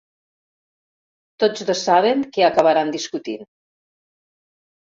Tots dos saben que acabaran discutint.